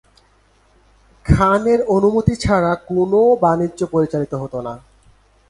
খানের অনুমতি ছাড়া কোনও বাণিজ্য পরিচালিত হত না।